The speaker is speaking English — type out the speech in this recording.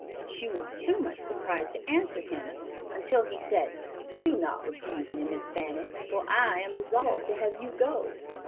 She was too much surprised to answer him, until he said, "Do not refuse me, Miss Fanny, for I am resolved to have you go!"